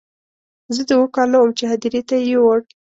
زه د اوو کالو وم چې هدیرې ته یې یووړ.